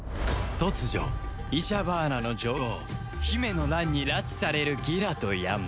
突如イシャバーナの女王ヒメノ・ランに拉致されるギラとヤンマ